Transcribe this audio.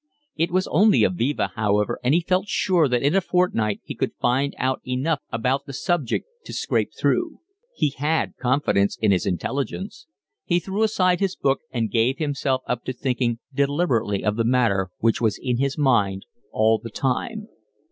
It was only a viva, however, and he felt sure that in a fortnight he could find out enough about the subject to scrape through. He had confidence in his intelligence. He threw aside his book and gave himself up to thinking deliberately of the matter which was in his mind all the time.